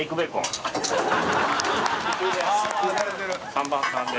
３番さんで。